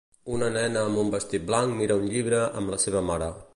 Una nena amb un vestit blanc mira un llibre amb la seva mare.